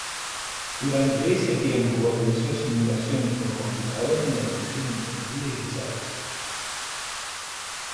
Durante ese tiempo, realizó simulaciones por computadora en la Dirección de Ingeniería y Desarrollo.